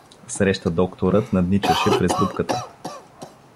Среща Докторът надничаше през дупката.